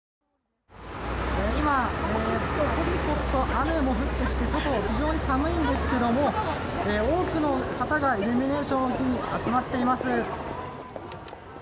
今、ぽつぽつと雨も降ってきて外、非常に寒いんですけども多くの方がイルミネーションを見に集まっています。